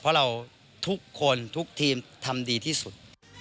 เพราะเราทุกคนทุกทีมทำดีที่สุด